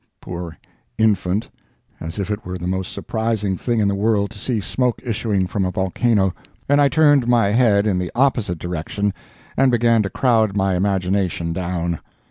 (poor infant—as if it were the most surprising thing in the world to see smoke issuing from a volcano), and I turned my head in the opposite direction and began to crowd my imagination down.